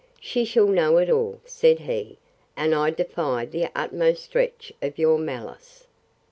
She shall know it all, said he; and I defy the utmost stretch of your malice.